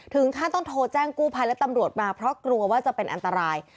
ต้องโทรแจ้งกู้ภัยและตำรวจมาเพราะกลัวว่าจะเป็นอันตราย